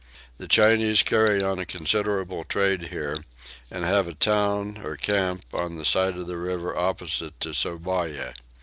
The Chinese carry on a considerable trade here, and have a town or camp on the side of the river opposite to Sourabaya.